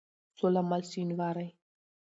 سوله مل شينوارى